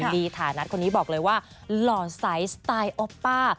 ลีถานัดคนนี้บอกเลยว่าหล่อใสสไตล์อ๊อปป้า